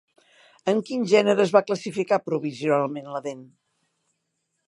En quin gènere es va classificar provisionalment la dent?